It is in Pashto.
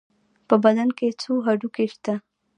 په بدن کې څو هډوکي شته؟